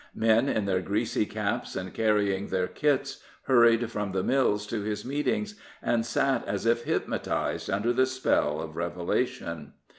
Men in their greasy caps, and carrying their " kits," hurried from the mills to his meetings, and sat as if hypnotised under the spell of revelation.